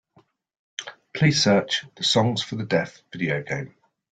Please search the Songs for the Deaf video game.